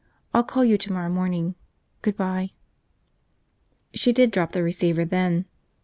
"I'll call you tomorrow morning. Good by." She did drop the receiver then.